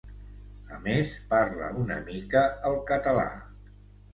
A més, parla una mica el català.